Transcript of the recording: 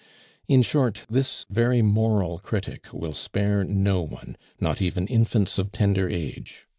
In short, this very moral critic will spare no one, not even infants of tender age.